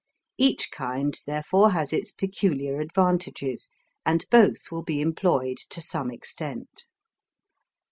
Each kind, therefore, has its peculiar advantages, and both will be employed to some extent.